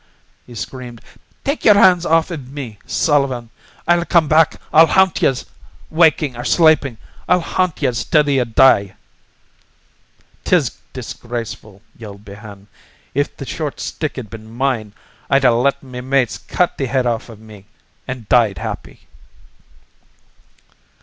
he screamed. "Take yer hands off iv me, Sullivan! I'll come back! I'll haunt yez! Wakin' or slapin', I'll haunt yez till you die!" "'Tis disgraceful!" yelled Behane. "If the short stick'd ben mine, I'd a let me mates cut the head off iv me an' died happy."